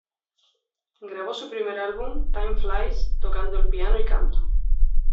Grabó su primer álbum "Time Flies", tocando el piano y canto.